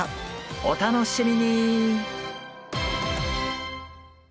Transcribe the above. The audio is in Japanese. お楽しみに！